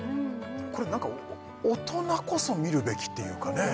これなんか大人こそ見るべきっていうかね